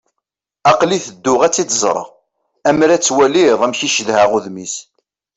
Aql-i tedduɣ ad tt-id-ẓreɣ. Ammer ad twaliḍ amek i cedhaɣ udem-is.